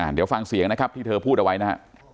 เดี๋ยวฟังเสียงนะครับที่เธอพูดเอาไว้นะฮะ